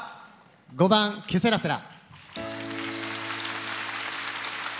５番「ケセラセラ」。